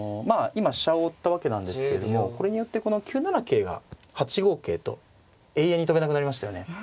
今飛車を追ったわけなんですけどもこれによってこの９七桂が８五桂と永遠に跳べなくなりましたよね。